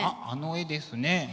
あっあの絵ですね。